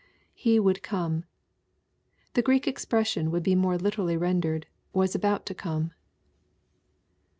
[He woidd come.] The Greek expression would be more lit«* rally rendered, " was about to come.